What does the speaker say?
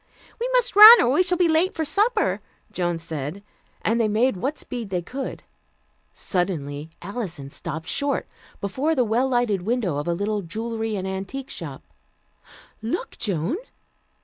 "We must run, or we shall be late for supper," Joan said, and they made what speed they could. Suddenly Alison stopped short before the well lighted window of a little jewelry and antique shop. "Look, Joan!"